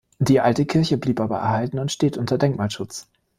Die alte Kirche blieb aber erhalten und steht unter Denkmalschutz.